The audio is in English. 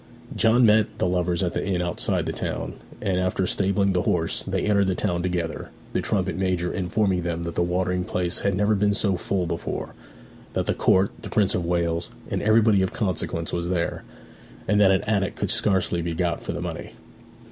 John met the lovers at the inn outside the town, and after stabling the horse they entered the town together, the trumpet major informing them that the watering place had never been so full before, that the Court, the Prince of Wales, and everybody of consequence was there, and that an attic could scarcely be got for money.